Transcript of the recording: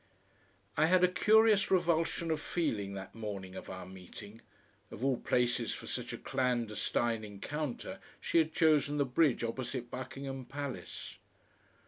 3 I had a curious revulsion of feeling that morning of our meeting. (Of all places for such a clandestine encounter she had chosen the bridge opposite Buckingham Palace.)